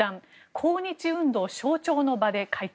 抗日運動象徴の場で会見。